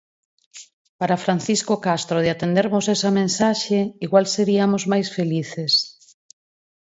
Para Francisco Castro de atendermos esa mensaxe igual seriamos máis felices.